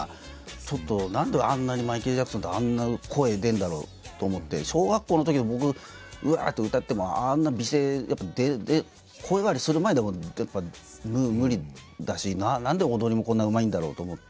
ちょっと何であんなにマイケル・ジャクソンってあんな声出るんだろうと思って小学校のときの僕うわって歌ってもあんな美声やっぱ声変わりする前でもやっぱ無理だし何で踊りもこんなうまいんだろうと思って。